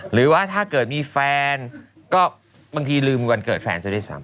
หรือว่าถ้าเกิดมีแฟนก็บางทีลืมวันเกิดแฟนซะด้วยซ้ำ